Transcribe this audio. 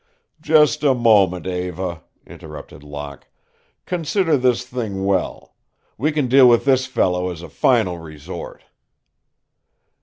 "Just a moment, Eva," interrupted Locke. "Consider this thing well. We can deal with this fellow as a final resort."